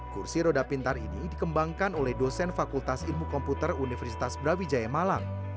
kursi roda pintar ini dikembangkan oleh dosen fakultas ilmu komputer universitas brawijaya malang